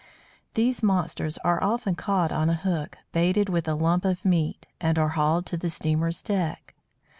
These monsters are often caught on a hook baited with a lump of meat, and are hauled to the steamer's deck.